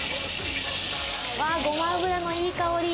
ごま油のいい香り。